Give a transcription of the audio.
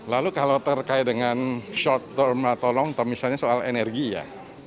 lalu kalau terkait dengan short term atau long term misalnya soal energi ya